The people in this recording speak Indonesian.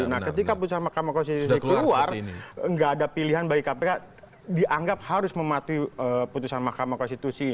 nah ketika putusan mahkamah konstitusi keluar nggak ada pilihan bagi kpk dianggap harus mematuhi putusan mahkamah konstitusi